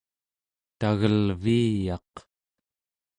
tagelviiyaq